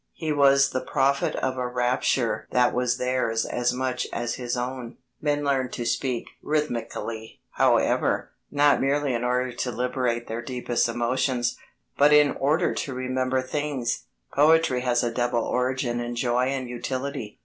He was the prophet of a rapture that was theirs as much as his own. Men learned to speak rhythmically, however, not merely in order to liberate their deepest emotions, but in order to remember things. Poetry has a double origin in joy and utility.